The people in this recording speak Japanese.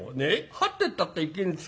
はってったって行けんですから。